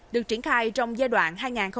được triển khai trong giai đoạn